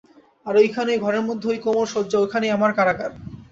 আর ওইখানে ওই ঘরের মধ্যে ওই কোমল শয্যা, ওইখানেই আমার কারাগার।